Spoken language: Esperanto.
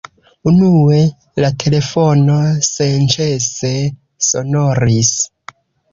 Unue la telefono senĉese sonoris.